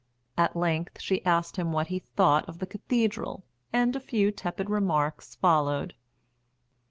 At length she asked him what he thought of the cathedral, and a few tepid remarks followed.